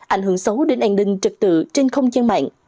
ảnh hưởng xấu đến an ninh trật tự trên không gian mạng